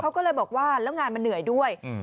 เขาก็เลยบอกว่าแล้วงานมันเหนื่อยด้วย